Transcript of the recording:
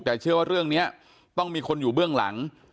แต่เชื่อว่าเรื่องนี้ต้องมีคนอยู่เบื้องหลัง